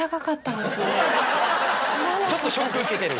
ちょっとショック受けてる。